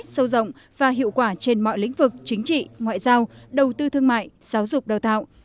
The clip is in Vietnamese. sâu rộng và hiệu quả trên mọi lĩnh vực chính trị ngoại giao đầu tư thương mại giáo dục đào tạo